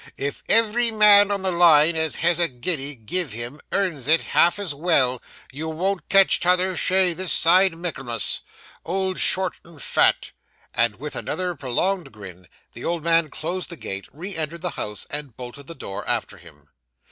If every man on the line as has a guinea give him, earns it half as well, you won't catch t'other chay this side Mich'lmas, old short and fat.' And with another prolonged grin, the old man closed the gate, re entered his house, and bolted the door after him.